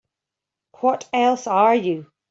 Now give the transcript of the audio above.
What else are you?